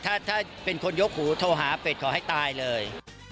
ถ้าเป็นคนยกหูโทรหาเป็ดขอให้ตายเลย